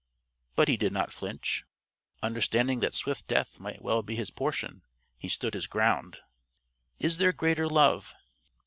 But he did not flinch. Understanding that swift death might well be his portion, he stood his ground. (Is there greater love?